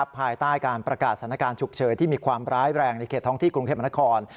ภายใต้การประกาศสถานการณ์ฉุกเฉินที่มีความร้ายแรงในเขตท้องที่กรุงเทพมนคร